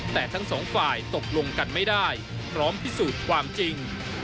แต่ทั้งสองฝ่ายตกลงกันไม่ได้พร้อมพิสูจน์ความจริง